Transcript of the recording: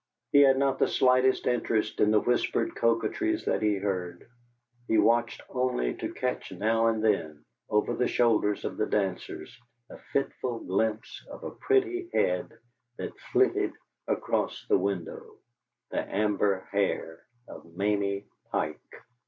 He had not the slightest interest in the whispered coquetries that he heard; he watched only to catch now and then, over the shoulders of the dancers, a fitful glimpse of a pretty head that flitted across the window the amber hair of Mamie Pike.